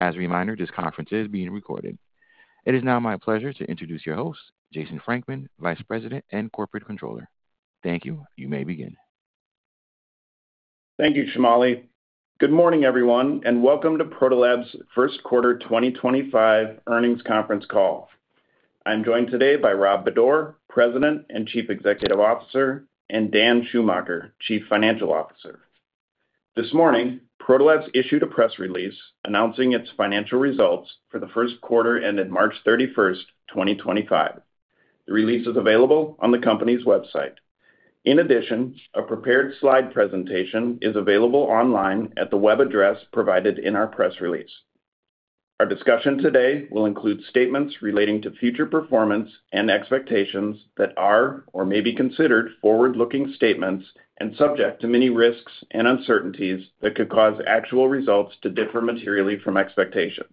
As a reminder, this conference is being recorded. It is now my pleasure to introduce your host, Jason Frankman, Vice President and Corporate Controller. Thank you. You may begin. Thank you, Shumali. Good morning, everyone, and welcome to Proto Labs' First Quarter 2025 Earnings Conference Call. I'm joined today by Rob Bodor, President and Chief Executive Officer, and Dan Schumacher, Chief Financial Officer. This morning, Proto Labs issued a press release announcing its financial results for the first quarter ended March 31, 2025. The release is available on the company's website. In addition, a prepared slide presentation is available online at the web address provided in our press release. Our discussion today will include statements relating to future performance and expectations that are or may be considered forward-looking statements and subject to many risks and uncertainties that could cause actual results to differ materially from expectations.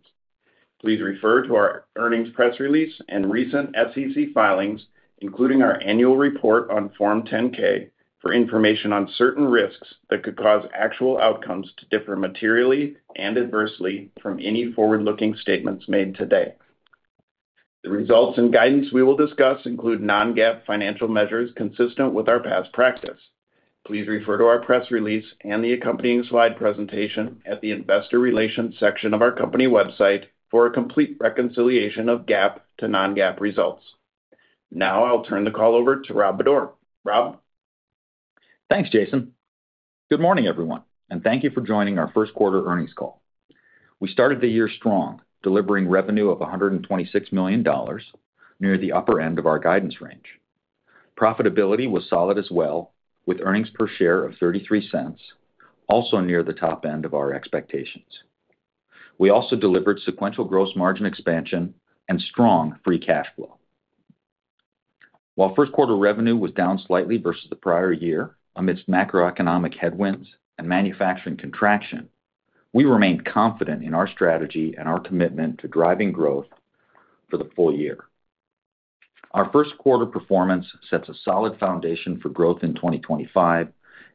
Please refer to our earnings press release and recent SEC filings, including our annual report on Form 10-K, for information on certain risks that could cause actual outcomes to differ materially and adversely from any forward-looking statements made today. The results and guidance we will discuss include non-GAAP financial measures consistent with our past practice. Please refer to our press release and the accompanying slide presentation at the Investor Relations section of our company website for a complete reconciliation of GAAP to non-GAAP results. Now I'll turn the call over to Rob Bodor. Rob? Thanks, Jason. Good morning, everyone, and thank you for joining our first quarter earnings call. We started the year strong, delivering revenue of $126 million, near the upper end of our guidance range. Profitability was solid as well, with earnings per share of $0.33, also near the top end of our expectations. We also delivered sequential gross margin expansion and strong free cash flow. While first quarter revenue was down slightly versus the prior year amidst macroeconomic headwinds and manufacturing contraction, we remained confident in our strategy and our commitment to driving growth for the full year. Our first quarter performance sets a solid foundation for growth in 2025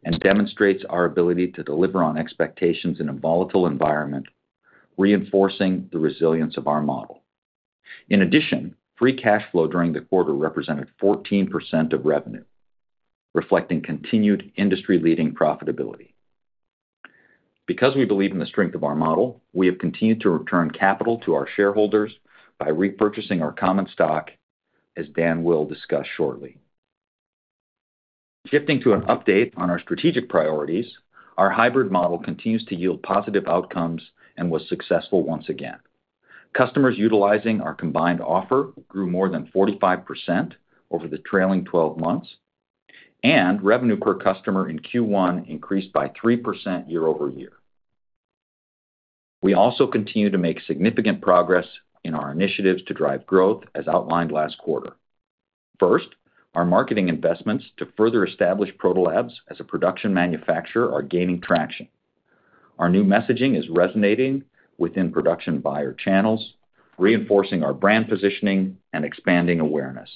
and demonstrates our ability to deliver on expectations in a volatile environment, reinforcing the resilience of our model. In addition, free cash flow during the quarter represented 14% of revenue, reflecting continued industry-leading profitability. Because we believe in the strength of our model, we have continued to return capital to our shareholders by repurchasing our common stock, as Dan will discuss shortly. Shifting to an update on our strategic priorities, our hybrid model continues to yield positive outcomes and was successful once again. Customers utilizing our combined offer grew more than 45% over the trailing 12 months, and revenue per customer in Q1 increased by 3% year over year. We also continue to make significant progress in our initiatives to drive growth, as outlined last quarter. First, our marketing investments to further establish Proto Labs as a production manufacturer are gaining traction. Our new messaging is resonating within production buyer channels, reinforcing our brand positioning and expanding awareness.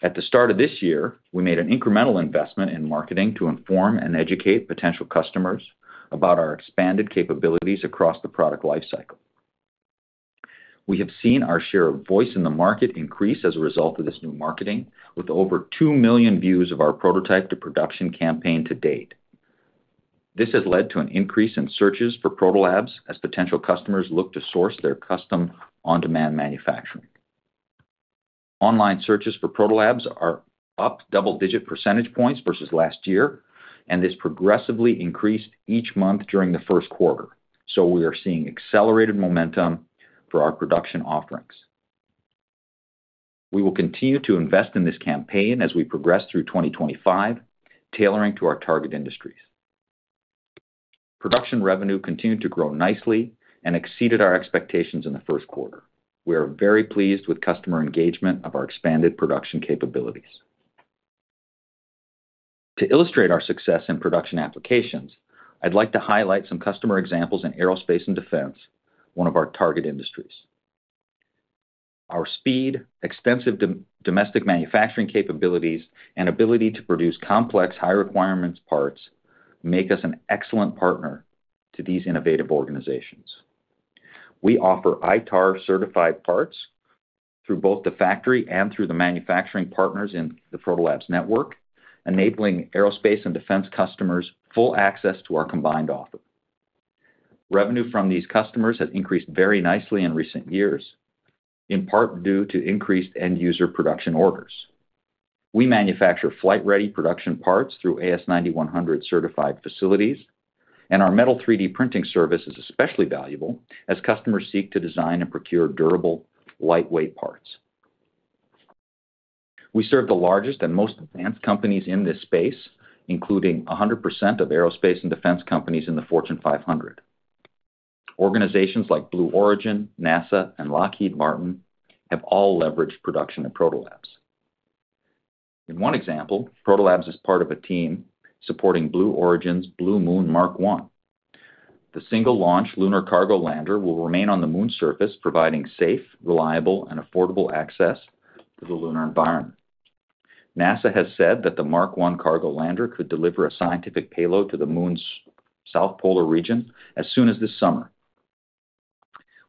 At the start of this year, we made an incremental investment in marketing to inform and educate potential customers about our expanded capabilities across the product lifecycle. We have seen our share of voice in the market increase as a result of this new marketing, with over 2 million views of our prototype-to-production campaign to date. This has led to an increase in searches for Proto Labs as potential customers look to source their custom on-demand manufacturing. Online searches for Proto Labs are up double-digit percentage points versus last year, and this progressively increased each month during the first quarter. We are seeing accelerated momentum for our production offerings. We will continue to invest in this campaign as we progress through 2025, tailoring to our target industries. Production revenue continued to grow nicely and exceeded our expectations in the first quarter. We are very pleased with customer engagement of our expanded production capabilities. To illustrate our success in production applications, I'd like to highlight some customer examples in aerospace and defense, one of our target industries. Our speed, extensive domestic manufacturing capabilities, and ability to produce complex high-requirement parts make us an excellent partner to these innovative organizations. We offer ITAR-certified parts through both the factory and through the manufacturing partners in the Proto Labs Network, enabling aerospace and defense customers full access to our combined offer. Revenue from these customers has increased very nicely in recent years, in part due to increased end-user production orders. We manufacture flight-ready production parts through AS9100-certified facilities, and our metal 3D Printing service is especially valuable as customers seek to design and procure durable, lightweight parts. We serve the largest and most advanced companies in this space, including 100% of aerospace and defense companies in the Fortune 500. Organizations like Blue Origin, NASA, and Lockheed Martin have all leveraged production at Proto Labs. In one example, Proto Labs is part of a team supporting Blue Origin's Blue Moon Mark 1. The single-launch lunar cargo lander will remain on the moon's surface, providing safe, reliable, and affordable access to the lunar environment. NASA has said that the Mark 1 cargo lander could deliver a scientific payload to the moon's South Polar region as soon as this summer.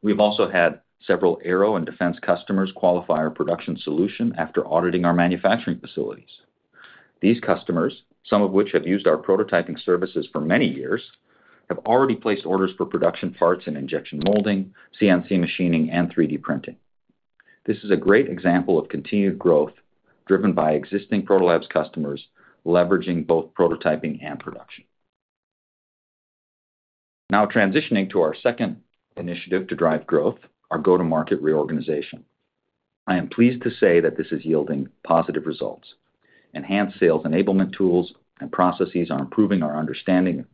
We've also had several aero and defense customers qualify our production solution after auditing our manufacturing facilities. These customers, some of which have used our prototyping services for many years, have already placed orders for production parts in injection molding, CNC machining, and 3D printing. This is a great example of continued growth driven by existing Proto Labs customers leveraging both prototyping and production. Now transitioning to our second initiative to drive growth, our go-to-market reorganization. I am pleased to say that this is yielding positive results. Enhanced sales enablement tools and processes are improving our understanding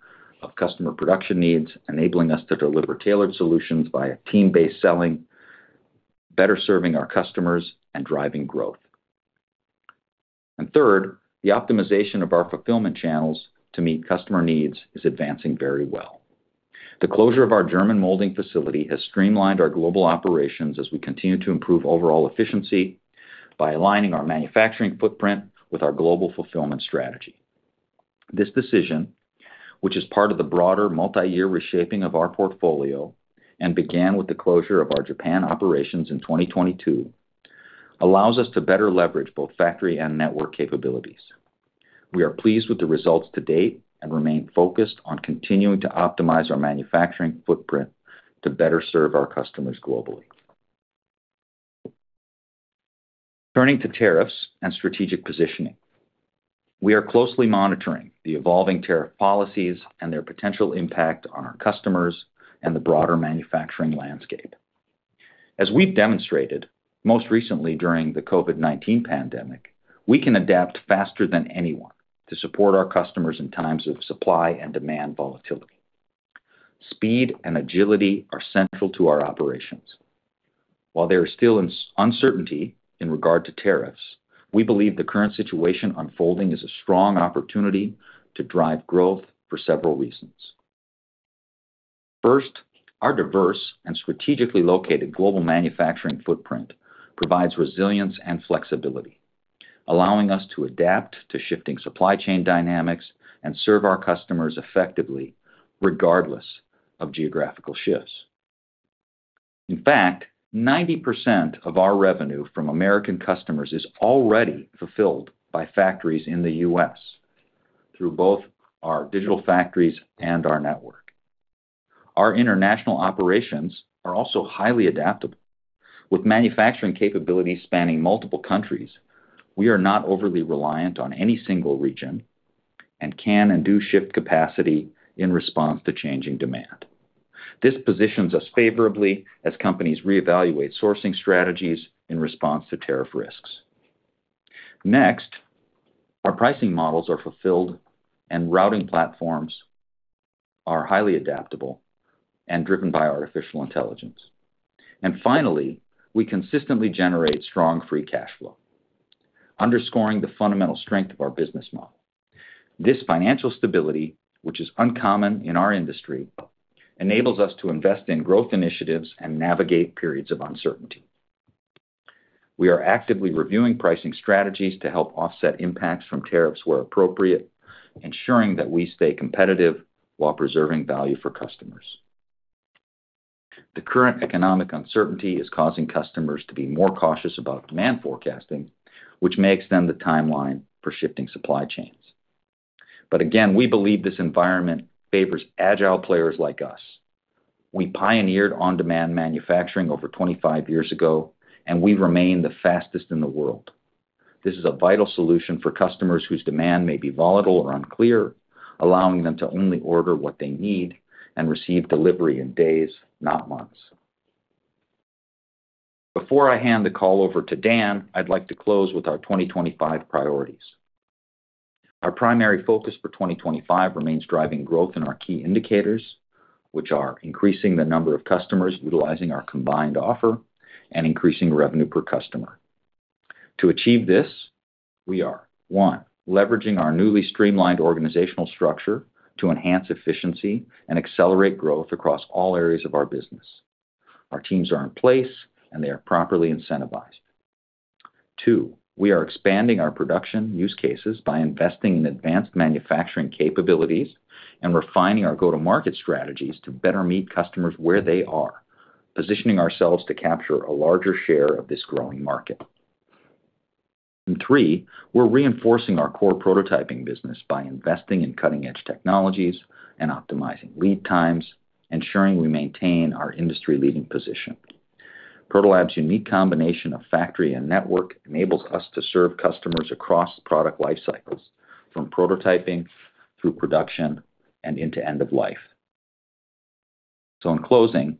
of customer production needs, enabling us to deliver tailored solutions via team-based selling, better serving our customers and driving growth. Third, the optimization of our fulfillment channels to meet customer needs is advancing very well. The closure of our German molding facility has streamlined our global operations as we continue to improve overall efficiency by aligning our manufacturing footprint with our global fulfillment strategy. This decision, which is part of the broader multi-year reshaping of our portfolio and began with the closure of our Japan operations in 2022, allows us to better leverage both factory and network capabilities. We are pleased with the results to date and remain focused on continuing to optimize our manufacturing footprint to better serve our customers globally. Turning to tariffs and strategic positioning, we are closely monitoring the evolving tariff policies and their potential impact on our customers and the broader manufacturing landscape. As we've demonstrated, most recently during the COVID-19 pandemic, we can adapt faster than anyone to support our customers in times of supply and demand volatility. Speed and agility are central to our operations. While there is still uncertainty in regard to tariffs, we believe the current situation unfolding is a strong opportunity to drive growth for several reasons. First, our diverse and strategically located global manufacturing footprint provides resilience and flexibility, allowing us to adapt to shifting supply chain dynamics and serve our customers effectively regardless of geographical shifts. In fact, 90% of our revenue from American customers is already fulfilled by factories in the U.S. through both our digital factories and our network. Our international operations are also highly adaptable. With manufacturing capabilities spanning multiple countries, we are not overly reliant on any single region and can and do shift capacity in response to changing demand. This positions us favorably as companies reevaluate sourcing strategies in response to tariff risks. Next, our pricing models are fulfilled and routing platforms are highly adaptable and driven by Artificial Intelligence. Finally, we consistently generate strong free cash flow, underscoring the fundamental strength of our business model. This financial stability, which is uncommon in our industry, enables us to invest in growth initiatives and navigate periods of uncertainty. We are actively reviewing pricing strategies to help offset impacts from tariffs where appropriate, ensuring that we stay competitive while preserving value for customers. The current economic uncertainty is causing customers to be more cautious about demand forecasting, which makes them the timeline for shifting supply chains. Again, we believe this environment favors agile players like us. We pioneered on-demand manufacturing over 25 years ago, and we remain the fastest in the world. This is a vital solution for customers whose demand may be volatile or unclear, allowing them to only order what they need and receive delivery in days, not months. Before I hand the call over to Dan, I'd like to close with our 2025 priorities. Our primary focus for 2025 remains driving growth in our key indicators, which are increasing the number of customers utilizing our combined offer and increasing revenue per customer. To achieve this, we are, 1) leveraging our newly streamlined organizational structure to enhance efficiency and accelerate growth across all areas of our business. Our teams are in place, and they are properly incentivized. 2) we are expanding our production use cases by investing in advanced manufacturing capabilities and refining our go-to-market strategies to better meet customers where they are, positioning ourselves to capture a larger share of this growing market. 3) we're reinforcing our core prototyping business by investing in cutting-edge technologies and optimizing lead times, ensuring we maintain our industry-leading position. Proto Labs' unique combination of factory and network enables us to serve customers across product lifecycles, from prototyping through production and into end-of-life. In closing,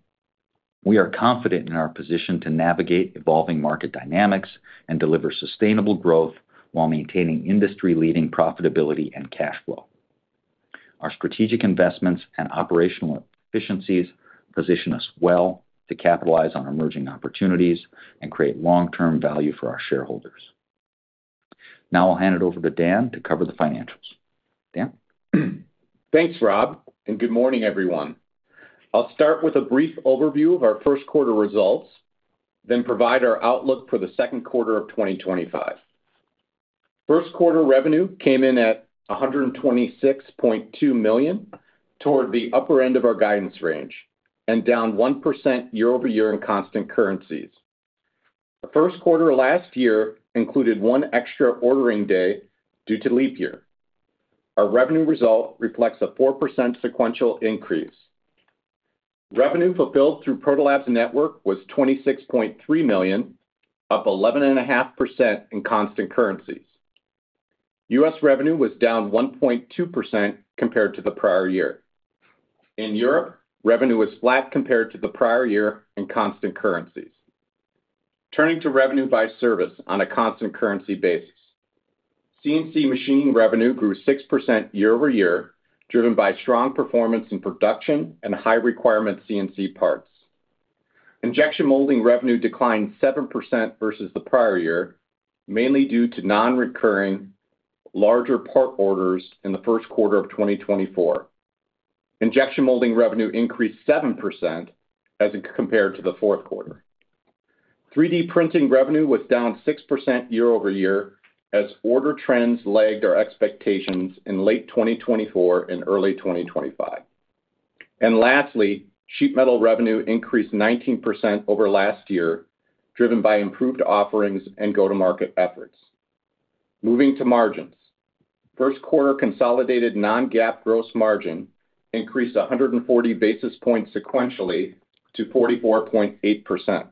we are confident in our position to navigate evolving market dynamics and deliver sustainable growth while maintaining industry-leading profitability and cash flow. Our strategic investments and operational efficiencies position us well to capitalize on emerging opportunities and create long-term value for our shareholders. Now I'll hand it over to Dan to cover the financials. Dan? Thanks, Rob, and good morning, everyone. I'll start with a brief overview of our first quarter results, then provide our outlook for the second quarter of 2025. First quarter revenue came in at $126.2 million, toward the upper end of our guidance range, and down 1% year over year in constant currencies. The first quarter last year included one extra ordering day due to leap year. Our revenue result reflects a 4% sequential increase. Revenue fulfilled through Proto Labs Network was $26.3 million, up 11.5% in constant currencies. U.S. revenue was down 1.2% compared to the prior year. In Europe, revenue was flat compared to the prior year in constant currencies. Turning to Revenue by Service on a constant currency basis, CNC Machining revenue grew 6% year over year, driven by strong performance in production and high-requirement CNC parts. Injection molding revenue declined 7% versus the prior year, mainly due to non-recurring larger part orders in the first quarter of 2024. Injection molding revenue increased 7% as compared to the fourth quarter. 3D printing revenue was down 6% year over year as order trends lagged our expectations in late 2024 and early 2025. Lastly, sheet metal revenue increased 19% over last year, driven by improved offerings and go-to-market efforts. Moving to margins, first quarter consolidated non-GAAP gross margin increased 140 basis points sequentially to 44.8%,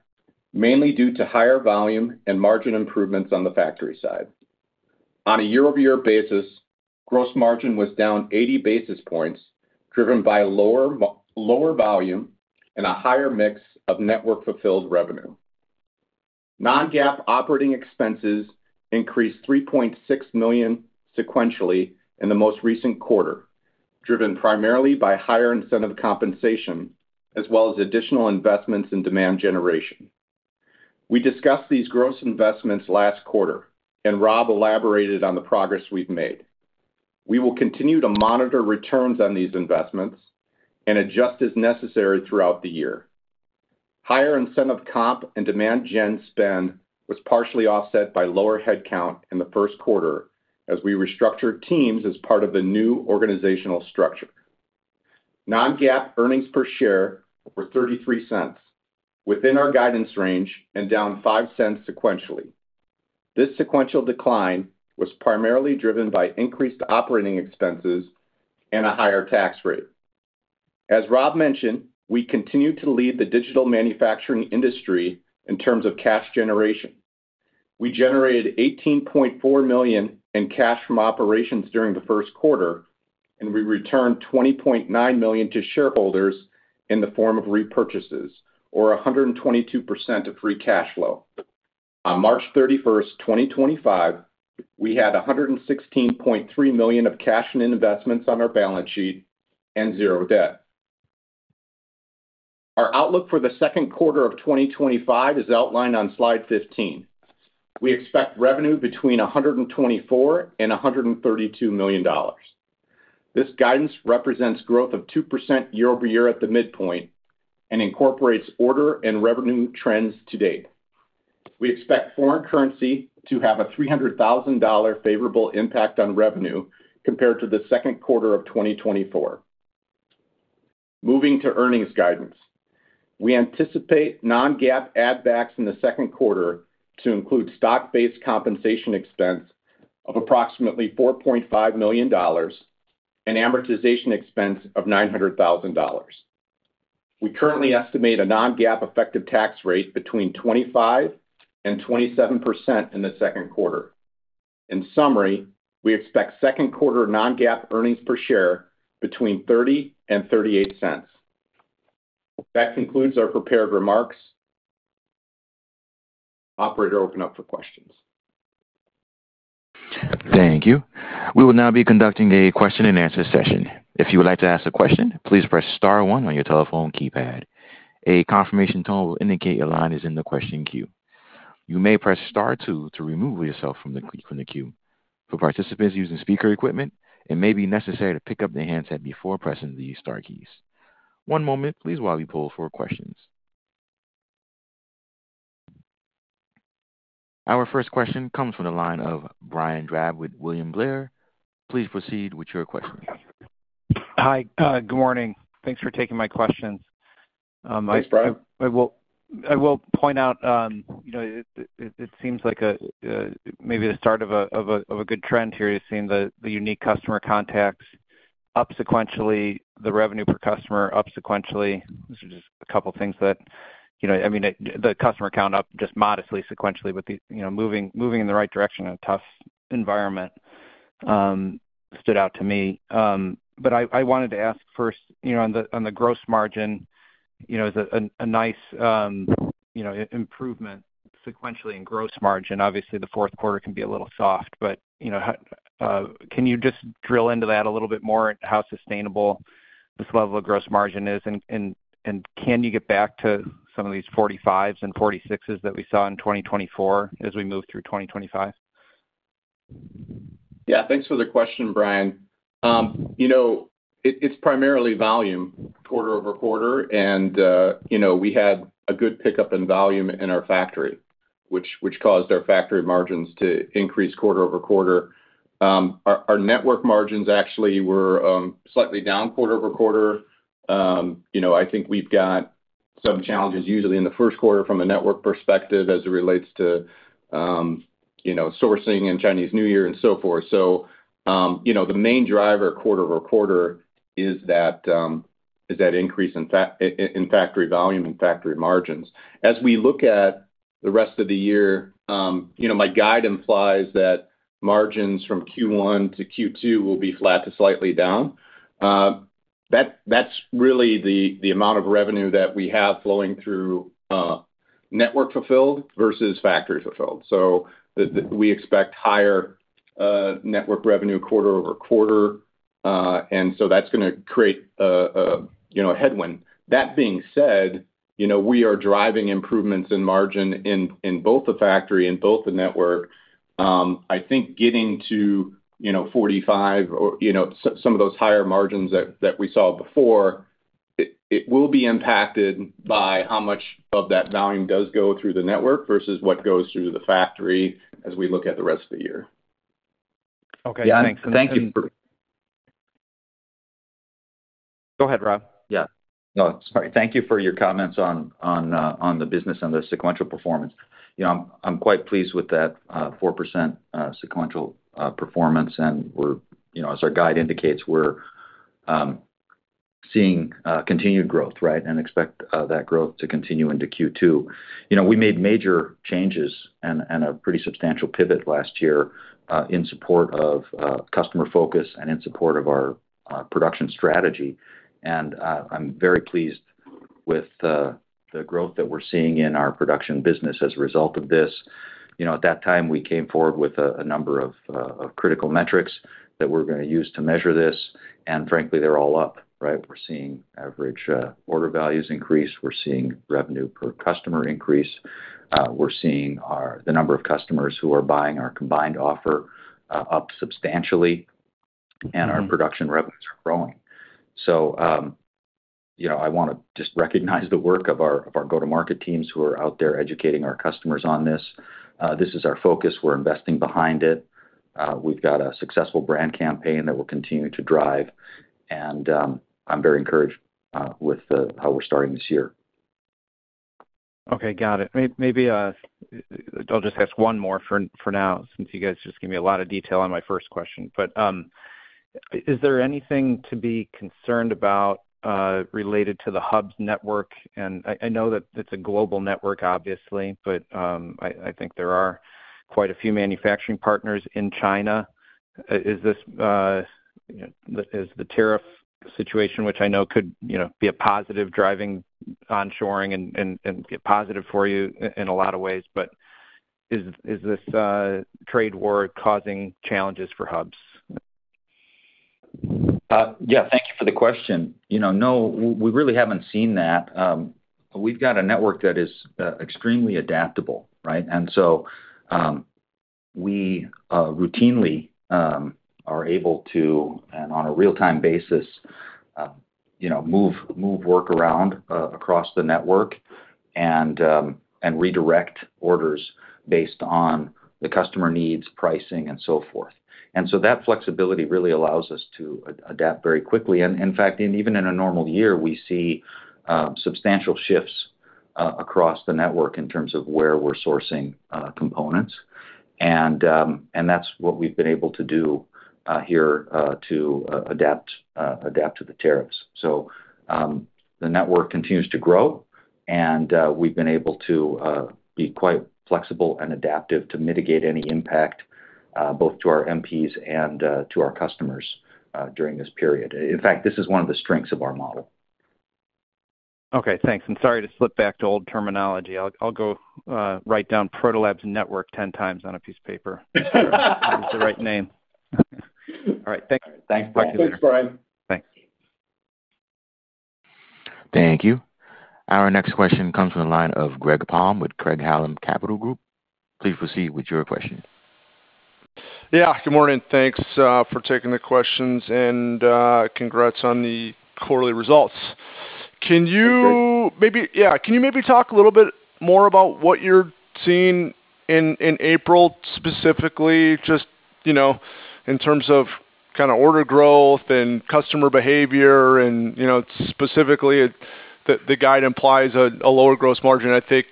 mainly due to higher volume and margin improvements on the factory side. On a year-over-year basis, gross margin was down 80 basis points, driven by lower volume and a higher mix of network-fulfilled revenue. Non-GAAP operating expenses increased $3.6 million sequentially in the most recent quarter, driven primarily by higher incentive compensation as well as additional investments in demand generation. We discussed these gross investments last quarter, and Rob elaborated on the progress we've made. We will continue to monitor returns on these investments and adjust as necessary throughout the year. Higher incentive comp and demand gen spend was partially offset by lower headcount in the first quarter as we restructured teams as part of the new organizational structure. Non-GAAP earnings per share were $0.33, within our guidance range and down $0.05 sequentially. This sequential decline was primarily driven by increased operating expenses and a higher tax rate. As Rob mentioned, we continue to lead the digital manufacturing industry in terms of cash generation. We generated $18.4 million in cash from operations during the first quarter, and we returned $20.9 million to shareholders in the form of repurchases, or 122% of free cash flow. On March 31, 2025, we had $116.3 million of cash and investments on our balance sheet and zero debt. Our outlook for the second quarter of 2025 is outlined on slide 15. We expect revenue between $124 million and $132 million. This guidance represents growth of 2% year over year at the midpoint and incorporates order and revenue trends to date. We expect foreign currency to have a $300,000 favorable impact on revenue compared to the second quarter of 2024. Moving to earnings guidance, we anticipate non-GAAP add-backs in the second quarter to include stock-based compensation expense of approximately $4.5 million and amortization expense of $900,000. We currently estimate a non-GAAP effective tax rate between 25%-27% in the second quarter. In summary, we expect second quarter non-GAAP earnings per share between $0.30 and $0.38. That concludes our prepared remarks. Operator, open up for questions. Thank you. We will now be conducting a question-and-answer session. If you would like to ask a question, please press star one on your telephone keypad. A confirmation tone will indicate your line is in the question queue. You may press star two to remove yourself from the queue. For participants using speaker equipment, it may be necessary to pick up the handset before pressing the star keys. One moment, please, while we pull for questions. Our first question comes from the line of Brian Drab with William Blair. Please proceed with your question. Hi, good morning. Thanks for taking my questions. Thanks, Brian. I will point out, it seems like maybe the start of a good trend here is seeing the Unique Customer Contacts up sequentially, the Revenue per Customer up sequentially. These are just a couple of things that, I mean, the Customer Count up just modestly sequentially, but moving in the right direction in a tough environment stood out to me. I wanted to ask first, on the gross margin, is it a nice improvement sequentially in gross margin? Obviously, the fourth quarter can be a little soft. Can you just drill into that a little bit more and how sustainable this level of gross margin is? Can you get back to some of these 45s and 46s that we saw in 2024 as we move through 2025? Thanks for the question, Brian. It's primarily volume, quarter-over-quarter, and we had a good pickup in volume in our factory, which caused our factory margins to increase quarter-over-quarter. Our network margins actually were slightly down quarter-over-quarter. I think we've got some challenges usually in the first quarter from a network perspective as it relates to sourcing and Chinese New Year and so forth. The main driver quarter-over-quarter is that increase in factory volume and factory margins. As we look at the rest of the year, my guide implies that margins from Q1 to Q2 will be flat to slightly down. That's really the amount of revenue that we have flowing through network-fulfilled versus factory-fulfilled. We expect higher network revenue quarter-over-quarter, and that's going to create a headwind. That being said, we are driving improvements in margin in both the factory and both the network. I think getting to 45 or some of those higher margins that we saw before, it will be impacted by how much of that volume does go through the network versus what goes through the factory as we look at the rest of the year. Okay, thanks. Yeah, thanks. Thank you. Go ahead, Rob. Sorry. Thank you for your comments on the business and the sequential performance. I'm quite pleased with that 4% sequential performance, and as our guide indicates, we're seeing continued growth and expect that growth to continue into Q2. We made major changes and a pretty substantial pivot last year in support of customer focus and in support of our production strategy. I'm very pleased with the growth that we're seeing in our production business as a result of this. At that time, we came forward with a number of critical metrics that we're going to use to measure this. Frankly, they're all up. We're seeing average order values increase. We're seeing revenue per customer increase. We're seeing the number of customers who are buying our combined offer up substantially, and our production revenues are growing. I want to just recognize the work of our go-to-market teams who are out there educating our customers on this. This is our focus. We're investing behind it. We've got a successful brand campaign that we'll continue to drive, and I'm very encouraged with how we're starting this year. Got it. Maybe I'll just ask one more for now, since you guys just gave me a lot of detail on my first question. Is there anything to be concerned about related to the hub's network? I know that it's a global network, obviously, but I think there are quite a few manufacturing partners in China. Is the tariff situation, which I know could be a positive driving onshoring and be a positive for you in a lot of ways, is this trade war causing challenges for hubs? Thank you for the question. No, we really have not seen that. We have got a network that is extremely adaptable. We routinely are able to, and on a real-time basis, move work around across the network and redirect orders based on the customer needs, pricing, and so forth. That flexibility really allows us to adapt very quickly. In fact, even in a normal year, we see substantial shifts across the network in terms of where we are sourcing components. That is what we have been able to do here to adapt to the tariffs. The network continues to grow, and we have been able to be quite flexible and adaptive to mitigate any impact both to our MPs and to our customers during this period. In fact, this is one of the strengths of our model. Thanks. I'm sorry to slip back to old terminology. I'll go write down Proto Labs Network 10 times on a piece of paper. It's the right name. All right, thanks. Thanks, Brian. Thanks. Thank you. Our next question comes from the line of Greg Palm with Craig-Hallum Capital Group. Please proceed with your question. Yeah, good morning. Thanks for taking the questions and congrats on the quarterly results. Can you maybe talk a little bit more about what you're seeing in April, specifically just in terms of kind of order growth and customer behavior? Specifically, the guide implies a lower gross margin. I think,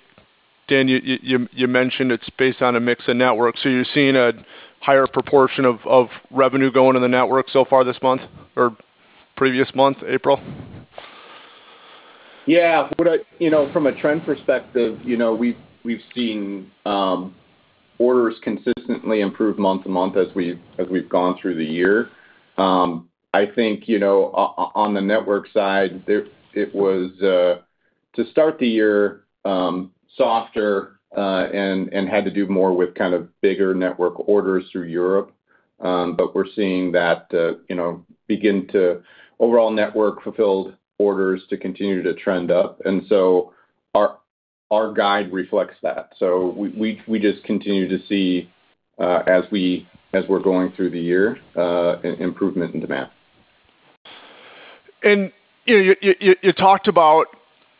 Dan, you mentioned it's based on a mixed network. So you're seeing a higher proportion of revenue going in the network so far this month or previous month, April? Yeah, from a trend perspective, we've seen orders consistently improve month to month as we've gone through the year. I think on the network side, it was, to start the year, softer and had to do more with kind of bigger network orders through Europe. We are seeing that begin to overall network-fulfilled orders to continue to trend up. Our guide reflects that. We just continue to see, as we're going through the year, improvement in demand. You talked about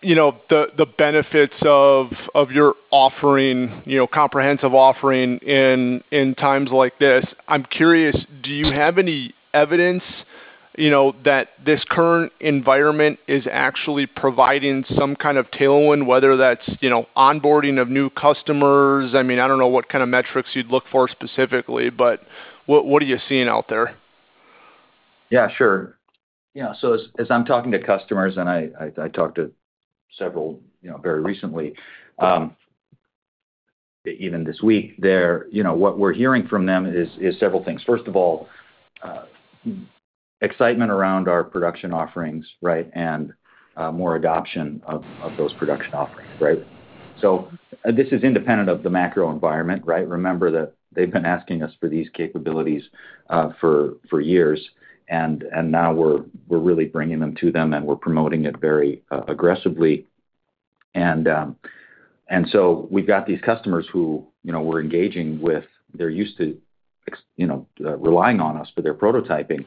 the benefits of your offering, comprehensive offering in times like this. I'm curious, do you have any evidence that this current environment is actually providing some kind of tailwind, whether that's onboarding of new customers? I mean, I don't know what kind of metrics you'd look for specifically, but what are you seeing out there? Yeah, sure. Yeah. As I'm talking to customers, and I talked to several very recently, even this week, what we're hearing from them is several things. First of all, excitement around our production offerings and more adoption of those production offerings. This is independent of the macro environment. Remember that they've been asking us for these capabilities for years, and now we're really bringing them to them, and we're promoting it very aggressively. We've got these customers who we're engaging with. They're used to relying on us for their prototyping,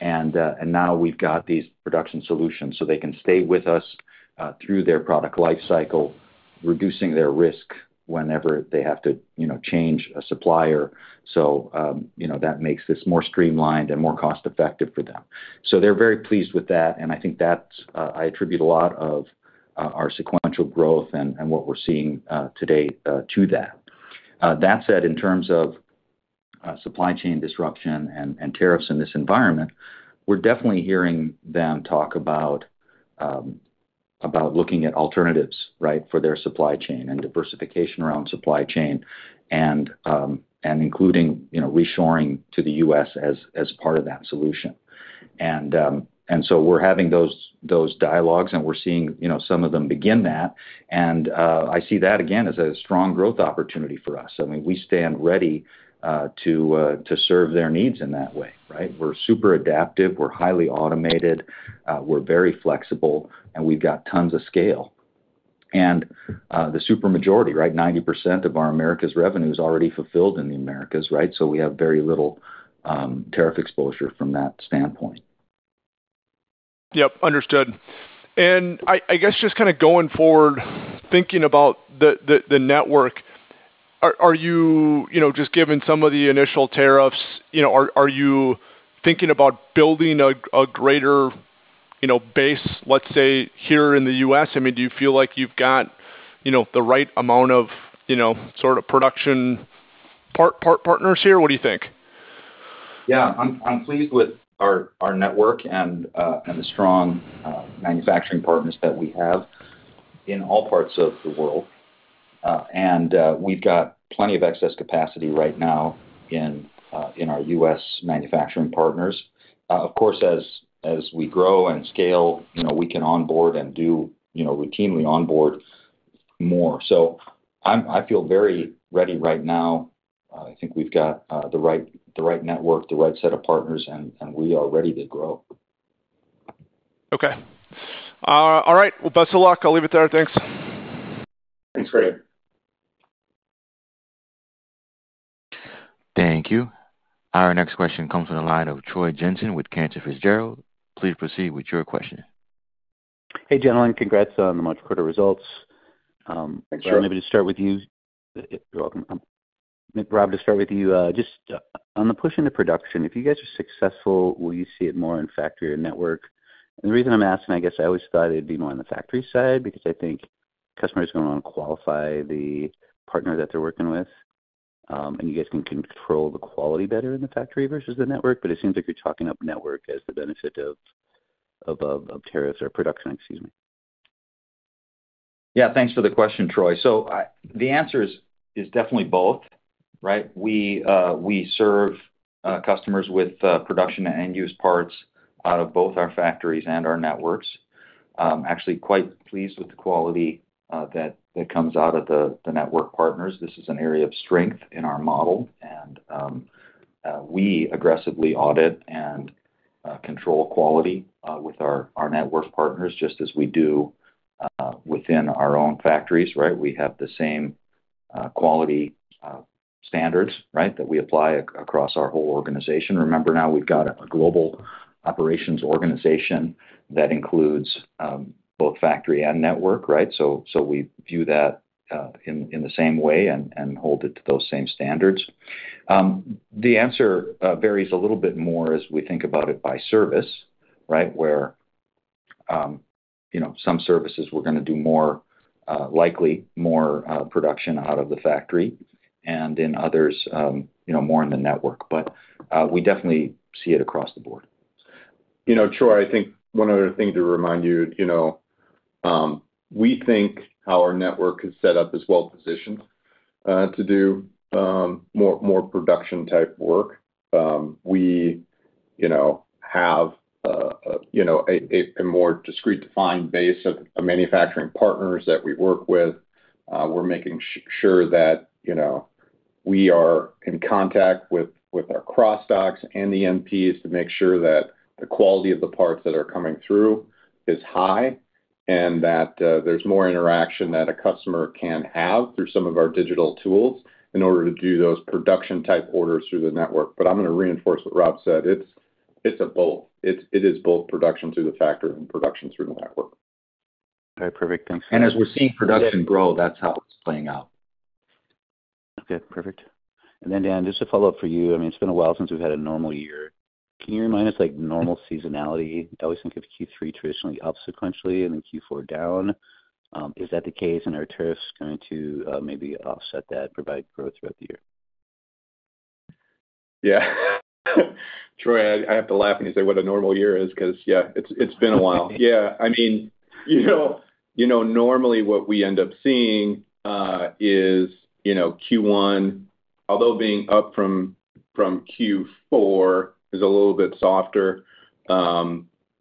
and now we've got these production solutions so they can stay with us through their product lifecycle, reducing their risk whenever they have to change a supplier. That makes this more streamlined and more cost-effective for them. They're very pleased with that, and I think that I attribute a lot of our sequential growth and what we're seeing today to that. That said, in terms of supply chain disruption and tariffs in this environment, we're definitely hearing them talk about looking at alternatives for their supply chain and diversification around supply chain and including reshoring to the U.S. as part of that solution. We're having those dialogues, and we're seeing some of them begin that. I see that again as a strong growth opportunity for us. I mean, we stand ready to serve their needs in that way. We're super adaptive. We're highly automated. We're very flexible, and we've got tons of scale. The supermajority 90% of our Americas revenue is already fulfilled in the Americas. We have very little tariff exposure from that standpoint. Understood. I guess just kind of going forward, thinking about the network, are you just given some of the initial tariffs, are you thinking about building a greater base, let's say, here in the U.S.? I mean, do you feel like you've got the right amount of production partners here? What do you think? I'm pleased with our network and the strong manufacturing partners that we have in all parts of the world. We've got plenty of excess capacity right now in our U.S. manufacturing partners. Of course, as we grow and scale, we can onboard and do routinely onboard more. I feel very ready right now. I think we've got the right network, the right set of partners, and we are ready to grow. All right. Best of luck. I'll leave it there. Thanks. Thanks, Brian. Thank you. Our next question comes from the line of Troy Jensen with Cantor Fitzgerald. Please proceed with your question. Hey, gentlemen. Congrats on the much better results. Thanks, Brian. Rob, maybe to start with you. You're welcome. Rob, to start with you, just on the push into production, if you guys are successful, will you see it more in factory or network? The reason I'm asking, I guess I always thought it'd be more on the factory side because I think customers are going to want to qualify the partner that they're working with, and you guys can control the quality better in the factory versus the network. It seems like you're talking up network as the benefit of tariffs or production, excuse me. Thanks for the question, Troy. The answer is definitely both. We serve customers with production and end-use parts out of both our factories and our networks. Actually, quite pleased with the quality that comes out of the network partners. This is an area of strength in our model, and we aggressively audit and control quality with our network partners just as we do within our own factories. We have the same quality standards that we apply across our whole organization. Remember, now we've got a global operations organization that includes both factory and network. We view that in the same way and hold it to those same standards. The answer varies a little bit more as we think about it by service where some services we're going to do more likely more production out of the factory and in others more in the network. We definitely see it across the board. Troy, I think one other thing to remind you, we think how our network is set up is well-positioned to do more production-type work. We have a more discrete defined base of manufacturing partners that we work with. We're making sure that we are in contact with our cross-stocks and the MPs to make sure that the quality of the parts that are coming through is high and that there's more interaction that a customer can have through some of our digital tools in order to do those production-type orders through the network. I'm going to reinforce what Rob said. It's a both. It is both production through the factory and production through the network. Okay, perfect. Thanks. As we're seeing production grow, that's how it's playing out. Perfect. Just a follow up for you. I mean, it's been a while since we've had a normal year. Can you remind us normal seasonality? I always think of Q3 traditionally up sequentially and then Q4 down. Is that the case? Are tariffs going to maybe offset that, provide growth throughout the year? Troy, I have to laugh when you say what a normal year is because, it's been a while. I mean, normally what we end up seeing is Q1, although being up from Q4, is a little bit softer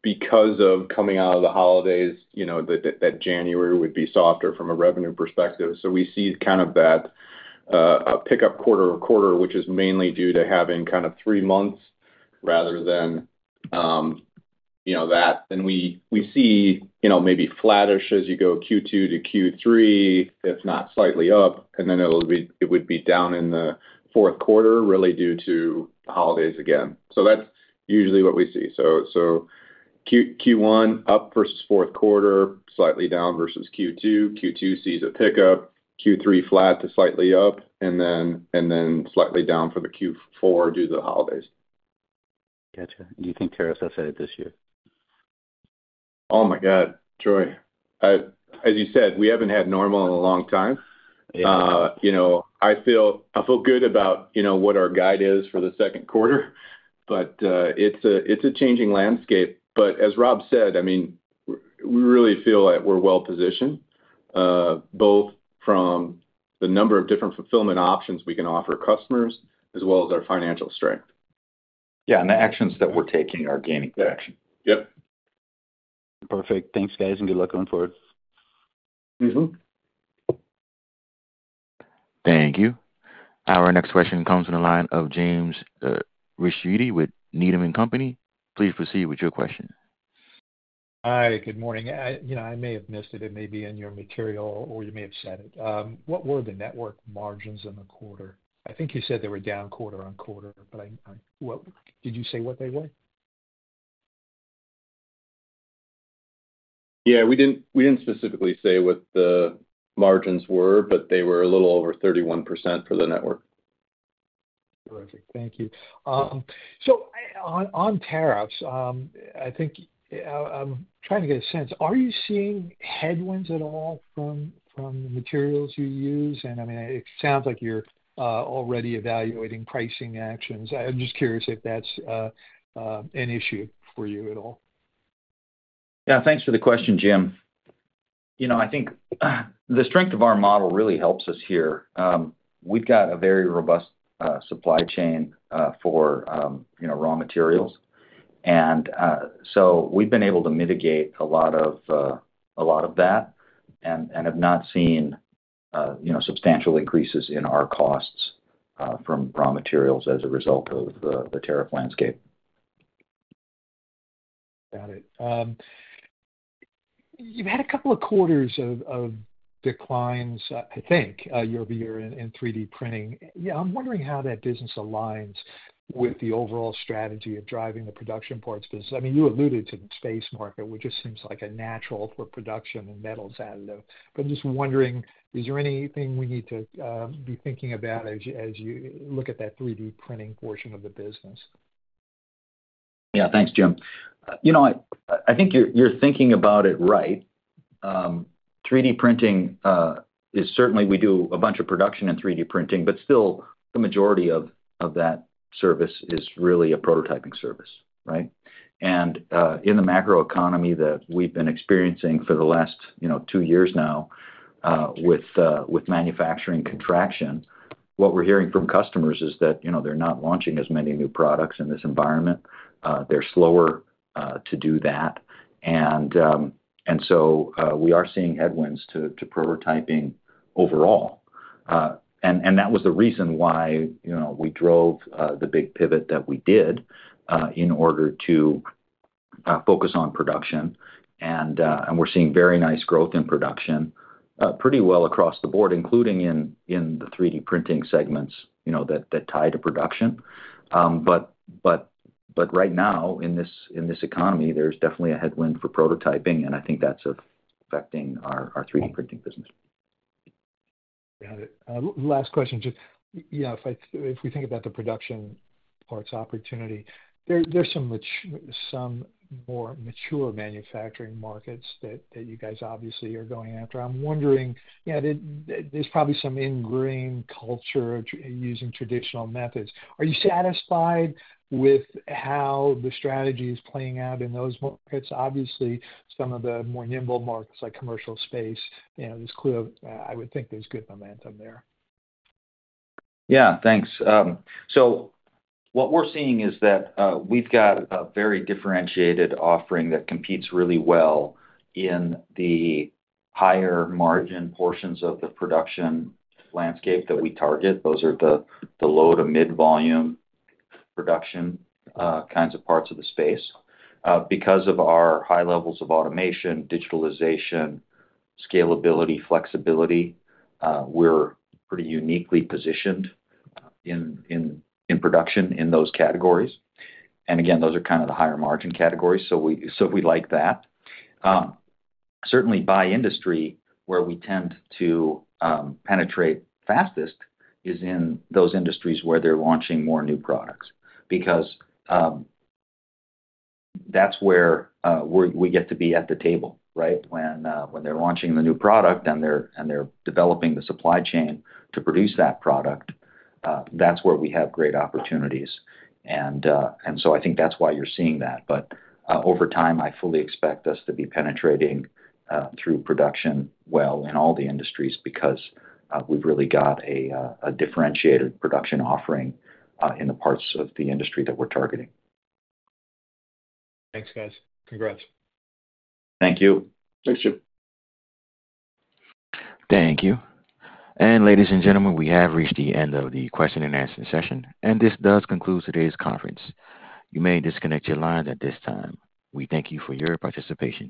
because of coming out of the holidays, that January would be softer from a revenue perspective. We see kind of that pickup quarter-to-quarter, which is mainly due to having kind of three months rather than that. We see maybe flattish as you go Q2 to Q3, if not slightly up, and it would be down in the fourth quarter really due to the holidays again. That's usually what we see. Q1 up versus fourth quarter, slightly down versus Q2. Q2 sees a pickup. Q3 flat to slightly up, and then slightly down for the Q4 due to the holidays. Do you think tariffs are set this year? Oh my God, Troy. As you said, we haven't had normal in a long time. I feel good about what our guide is for the second quarter, but it's a changing landscape. As Rob said, I mean, we really feel that we're well-positioned both from the number of different fulfillment options we can offer customers as well as our financial strength. And the actions that we're taking are gaining traction. Yep. Perfect. Thanks, guys, and good luck going forward. Thank you. Our next question comes from the line of James Ricchiuti with Needham & Company. Please proceed with your question. Hi, good morning. I may have missed it. It may be in your material or you may have said it. What were the network margins in the quarter? I think you said they were down quarter-on-quarter, but did you say what they were? We didn't specifically say what the margins were, but they were a little over 31% for the network. Terrific. Thank you. On tariffs, I think I'm trying to get a sense. Are you seeing headwinds at all from the materials you use? It sounds like you're already evaluating pricing actions. I'm just curious if that's an issue for you at all. Thanks for the question, Jim. I think the strength of our model really helps us here. We've got a very robust supply chain for raw materials. We've been able to mitigate a lot of that and have not seen substantial increases in our costs from raw materials as a result of the tariff landscape. Got it. You've had a couple of quarters of declines, I think, year over year in 3D printing. I'm wondering how that business aligns with the overall strategy of driving the production parts business. I mean, you alluded to the space market, which just seems like a natural for production and metals outlook. I'm just wondering, is there anything we need to be thinking about as you look at that 3D printing portion of the business? Thanks, Jim. I think you're thinking about it right. 3D printing is certainly, we do a bunch of production in 3D printing, but still the majority of that service is really a prototyping service. In the macro economy that we've been experiencing for the last two years now with manufacturing contraction, what we're hearing from customers is that they're not launching as many new products in this environment. They're slower to do that. We are seeing headwinds to prototyping overall. That was the reason why we drove the big pivot that we did in order to focus on production. We're seeing very nice growth in production pretty well across the board, including in the 3D printing segments that tie to production. Right now, in this economy, there's definitely a headwind for prototyping, and I think that's affecting our 3D printing business. Got it. Last question. If we think about the production parts opportunity, there's some more mature manufacturing markets that you guys obviously are going after. I'm wondering, there's probably some ingrained culture using traditional methods. Are you satisfied with how the strategy is playing out in those markets? Obviously, some of the more nimble markets like commercial space, there's clear I would think there's good momentum there. Thanks. What we're seeing is that we've got a very differentiated offering that competes really well in the higher margin portions of the production landscape that we target. Those are the low to mid-volume production kinds of parts of the space. Because of our high levels of automation, digitalization, scalability, flexibility, we're pretty uniquely positioned in production in those categories. Those are kind of the higher margin categories. We like that. Certainly, by industry, where we tend to penetrate fastest is in those industries where they're launching more new products because that's where we get to be at the table. When they're launching the new product and they're developing the supply chain to produce that product, that's where we have great opportunities. I think that's why you're seeing that. Over time, I fully expect us to be penetrating through production well in all the industries because we've really got a differentiated production offering in the parts of the industry that we're targeting. Thanks, guys. Congrats. Thank you. Thanks, Jim. Thank you. Ladies and gentlemen, we have reached the end of the question and answer session. This does conclude today's conference. You may disconnect your lines at this time. We thank you for your participation.